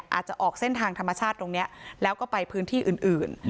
อาจจะออกเส้นทางธรรมชาติตรงนี้แล้วก็ไปพื้นที่อื่น